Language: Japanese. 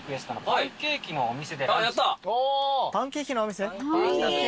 パンケーキのお店。